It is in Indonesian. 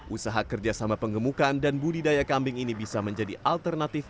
usaha kerjasama pengemukan dan budidaya kambing ini bisa menjadi alternatif